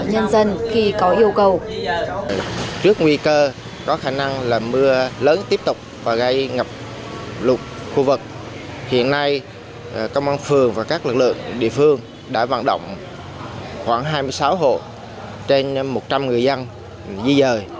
hiện nay công an phường và các lực lượng địa phương đã vận động khoảng hai mươi sáu hộ trên một trăm linh người dân di rời